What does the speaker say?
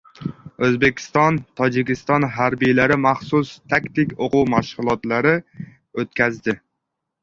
O‘zbekiston — Tojikiston harbiylari maxsus taktik o‘quv mashg‘ulotlari o‘tkazdi